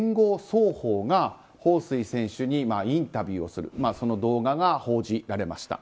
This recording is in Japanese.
早報がホウ・スイ選手にインタビューをするその動画が報じられました。